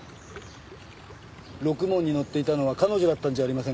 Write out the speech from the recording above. ろくもんに乗っていたのは彼女だったんじゃありませんか？